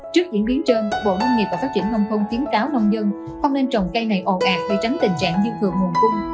trước diễn biến trơn bộ nông nghiệp và phát triển nông không kiến cáo nông dân không nên trồng cây này ồn ạt để tránh tình trạng dư thường nguồn cung